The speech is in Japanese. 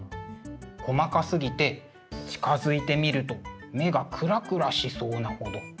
細かすぎて近づいて見ると目がくらくらしそうなほど。